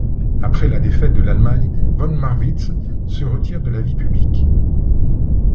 Après la défaite de l'Allemagne, von Marwitz se retire de la vie publique.